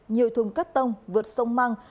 nhiều thùng cắt tông vượt sông măng